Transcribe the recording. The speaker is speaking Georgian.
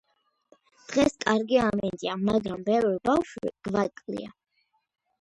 დღეს კარგი ამინდია . მაგრამ ბევრი ბავშვი გვაკლია